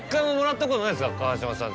川島さん